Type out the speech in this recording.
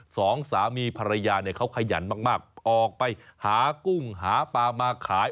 สองสามีภรรยาเนี่ยเขาขยันมากออกไปหากุ้งหาปลามาขาย